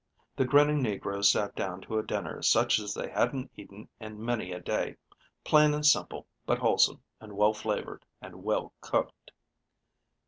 The grinning negroes sat down to a dinner such as they hadn't eaten in many a day plain and simple, but wholesome and well flavored and well cooked.